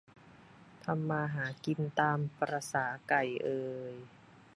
ทำมาหากิน ตามประสาไก่เอย